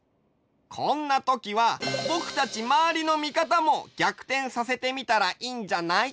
こんなときはぼくたちまわりの見方も逆転させてみたらいいんじゃない？